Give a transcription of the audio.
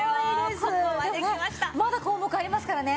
まだ項目ありますからね。